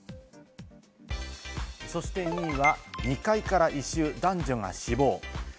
そして２位は、２階から異臭、男女が死亡。